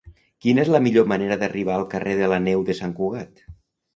Quina és la millor manera d'arribar al carrer de la Neu de Sant Cugat?